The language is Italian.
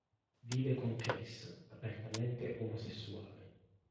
Vive con Chris, apertamente omosessuale.